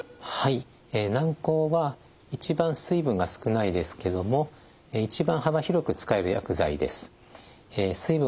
軟こうは一番水分が少ないですけども一番幅広く使える薬剤です。